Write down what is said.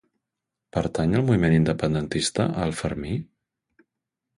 Pertany al moviment independentista el Fermí?